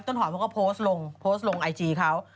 หอมเขาก็โพสต์ลงโพสต์ลงไอจีเขา